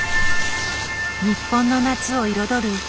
日本の夏を彩る花火。